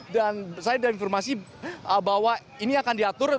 dan saya ada informasi bahwa ini akan diatur